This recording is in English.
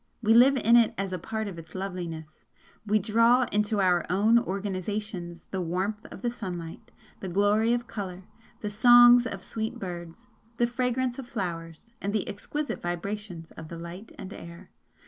We live in it as a part of its loveliness we draw into our own organisations the warmth of the sunlight, the glory of colour, the songs of sweet birds, the fragrance of flowers, and the exquisite vibrations of the light and air.